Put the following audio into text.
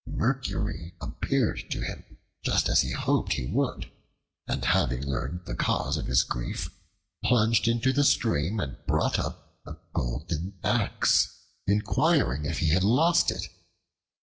Mercury appeared to him just as he hoped he would; and having learned the cause of his grief, plunged into the stream and brought up a golden axe, inquiring if he had lost it.